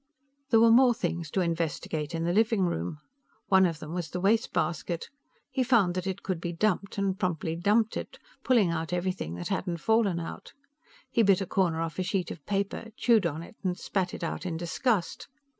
There were more things to investigate in the living room. One of them was the wastebasket. He found that it could be dumped, and promptly dumped it, pulling out everything that hadn't fallen out. He bit a corner off a sheet of paper, chewed on it and spat it out in disgust.